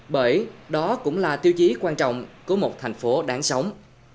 bởi đó cũng là tiêu chí quan trọng của một thành phố đáng sống